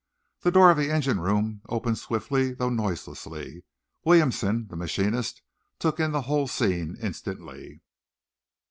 The door of the engine room opened swiftly though noiselessly. Williamson, the machinist, took in the whole scene instantly.